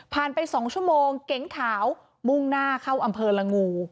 ไป๒ชั่วโมงเก๋งขาวมุ่งหน้าเข้าอำเภอละงู